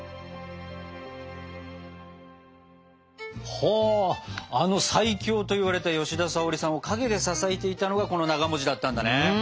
ほあの最強といわれた吉田沙保里さんを陰で支えていたのがこのながだったんだね。